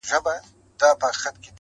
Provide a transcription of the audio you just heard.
له کلونو دغه آش دغه کاسه وه٫